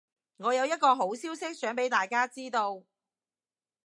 我有一個好消息想畀大家知道